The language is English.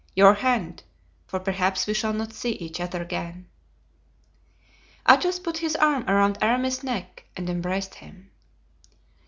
Your hand, for perhaps we shall not see each other again." Athos put his arm around Aramis's neck and embraced him.